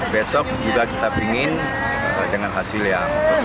besok juga kita pingin dengan hasilnya